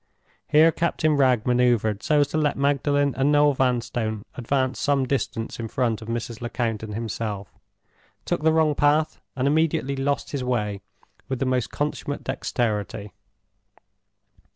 Here Captain Wragge maneuvered so as to let Magdalen and Noel Vanstone advance some distance in front of Mrs. Lecount and himself, took the wrong path, and immediately lost his way with the most consummate dexterity.